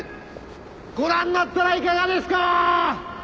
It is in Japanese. ご覧になったらいかがですかー！？